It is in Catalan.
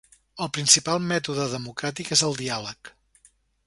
El principal mètode democràtic és el diàleg.